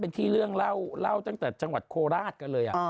เป็นที่เรื่องเล่าตั้งแต่จังหวัดโคราชกันเลย